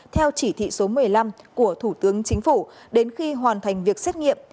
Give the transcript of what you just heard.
theo chỉ thị số một mươi năm của thủ tướng chính phủ đến khi hoàn thành việc xét nghiệm